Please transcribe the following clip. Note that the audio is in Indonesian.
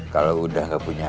kalau udah gak punya